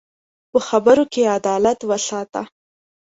په خبرو کې عدالت وساته